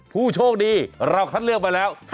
ผู้โชคดีเราคัดเลือกมาแล้ว